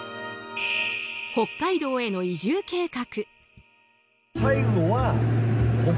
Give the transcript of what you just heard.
北海道への移住計画。